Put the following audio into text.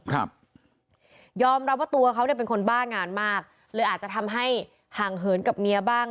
ครับยอมรับว่าตัวเขาเนี่ยเป็นคนบ้างานมากเลยอาจจะทำให้ห่างเหินกับเมียบ้าง